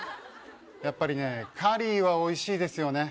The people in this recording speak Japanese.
やっぱりねカリーはおいしいですよね